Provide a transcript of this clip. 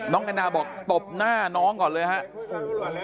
แอนนาบอกตบหน้าน้องก่อนเลยครับ